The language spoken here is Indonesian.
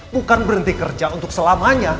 bukan berhenti kerja untuk selamanya